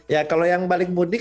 ya kalau yang balik mudik